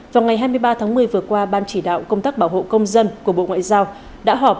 vào ngày hai mươi ba tháng một mươi vừa qua ban chỉ đạo công tác bảo hộ công dân của bộ ngoại giao